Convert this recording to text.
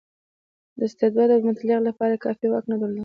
د استبداد او مطلقیت لپاره یې کافي واک نه درلود.